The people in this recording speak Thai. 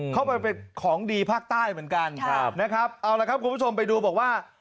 เข้าไปเป็นของดีภาคใต้เหมือนกันนะครับเอาละครับคุณผู้ชมไปดูบอกว่า